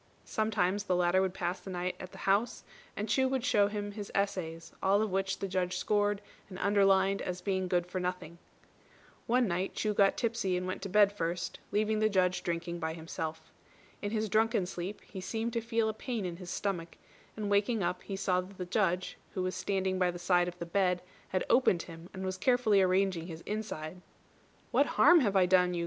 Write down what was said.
Sometimes the latter would pass the night at the house, and Chu would show him his essays, all of which the Judge scored and underlined as being good for nothing. One night Chu got tipsy and went to bed first, leaving the Judge drinking by himself. In his drunken sleep he seemed to feel a pain in his stomach, and waking up he saw that the Judge, who was standing by the side of the bed, had opened him, and was carefully arranging his inside. "What harm have I done you?"